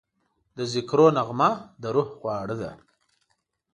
د ذکرو نغمه د روح خواړه ده.